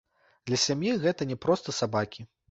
Для сям'і гэта не проста сабакі.